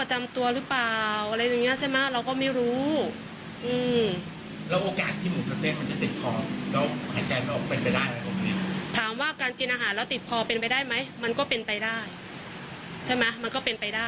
อาหารไม่ละเอียดมันก็มีสิทธิ์ที่จะเสียชีวิตในการอาหารติดคอด้าน